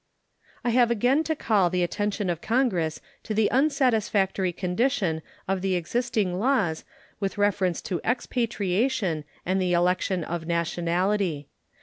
I have again to call the attention of Congress to the unsatisfactory condition of the existing laws with reference to expatriation and the election of nationality.